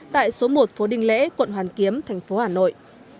tại số một phố đinh lễ quận hoàn kiếm thành phố hà nội